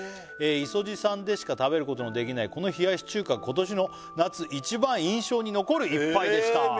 「いそじさんでしか食べることのできないこの冷やし中華」「今年の夏一番印象に残る一杯でした」